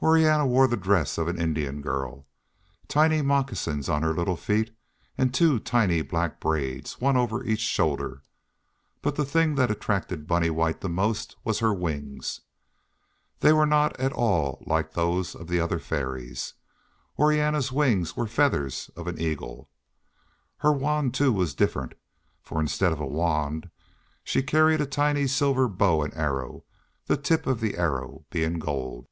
Orianna wore the dress of an Indian girl, tiny moccasins on her little feet and two tiny black braids, one over each shoulder, but the thing that attracted Bunny White the most was her wings. They were not at all like those of the other Fairies. Orianna's wings were feathers of an eagle. Her wand, too, was different, for instead of a wand she carried a tiny silver bow and arrow, the tip of the arrow being of gold.